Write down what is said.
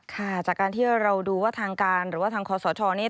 ค่ะจากการที่เราดูว่าทางการหรือว่าทางคอสชนี่